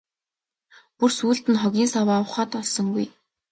Бүр сүүлд нь хогийн саваа ухаад олсонгүй.